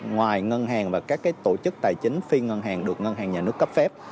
ngoài ngân hàng và các tổ chức tài chính phi ngân hàng được ngân hàng nhà nước cấp phép